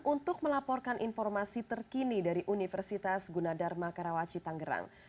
untuk melaporkan informasi terkini dari universitas gunadharma karawaci tanggerang